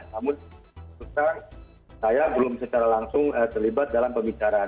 namun sekarang saya belum secara langsung terlibat dalam pembicaraan